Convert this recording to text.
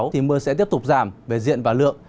thì mưa sẽ tiếp tục giảm về diện và lượng